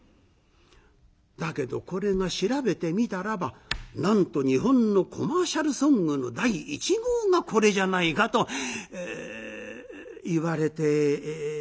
だけどこれが調べてみたらばなんと日本のコマーシャルソングの第１号がこれじゃないかといわれているんですけれどもね。